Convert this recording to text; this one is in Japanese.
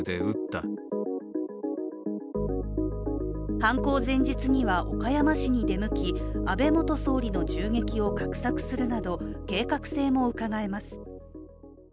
犯行前日には岡山市に出向き、安倍元総理の銃撃を画策するなど計画性もうかがえます。